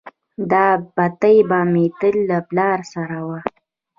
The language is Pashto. دا بتۍ به مې تل له پلار سره وه.